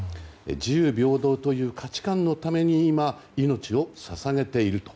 自由、平等という価値観のために今、命を捧げていると。